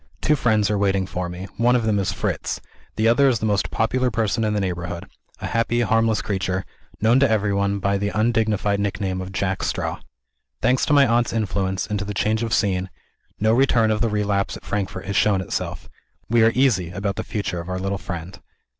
Two friends are waiting for me. One of them is Fritz. The other is the most popular person in the neighborhood; a happy, harmless creature, known to everyone by the undignified nickname of Jack Straw. Thanks to my aunt's influence, and to the change of scene, no return of the relapse at Frankfort has shown itself. We are easy about the future of our little friend.